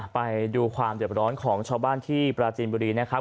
ไปดูความเดือบร้อนของชาวบ้านที่ปราจีนบุรีนะครับ